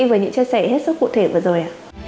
với những chia sẻ hết sức cụ thể vừa rồi